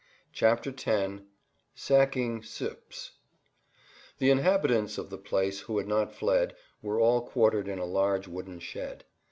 [Pg 73] X SACKING SUIPPES The inhabitants of the place who had not fled were all quartered in a large wooden shed.